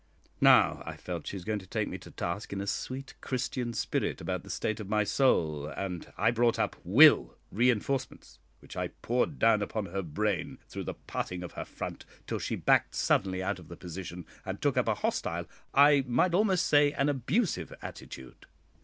Now, I felt, she is going to take me to task in a "sweet Christian spirit" about the state of my soul, and I brought up "will" reinforcements which I poured down upon her brain through the parting of her front, till she backed suddenly out of the position, and took up a hostile, I might almost say an abusive, attitude.